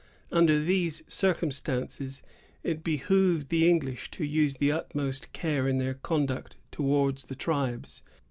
Under these circumstances, it behooved the English to use the utmost care in their conduct towards the tribes.